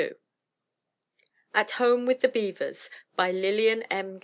_ AT HOME WITH THE BEAVERS By Lillian M.